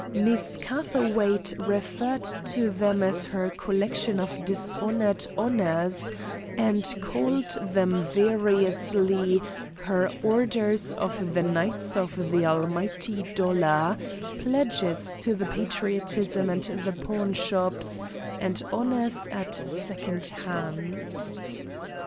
Miss Catherwaight referred to them as her collection of dishonored honors, and called them variously her Orders of the Knights of the Almighty Dollar, pledges to patriotism and the pawnshops, and honors at second hand.